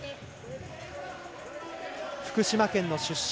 福島県の出身。